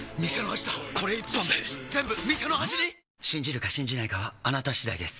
信じるか信じないかはあなた次第です